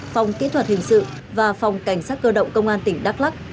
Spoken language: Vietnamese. phòng kỹ thuật hình sự và phòng cảnh sát cơ động công an tỉnh đắk lắc